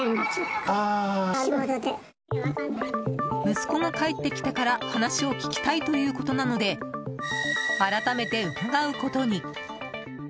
息子が帰ってきてから話を聞きたいということなので改めて伺うことに。